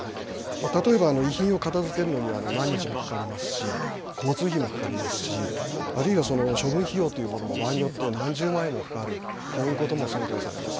例えば遺品を片づけるのには何日もかかりますし、交通費もかかりますし、あるいは処分費用というものも、場合によっては何十万円もかかる、こういうことも想定されます。